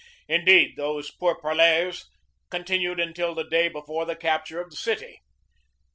Indeed, these pourparlers continued until the day before the capture of the city.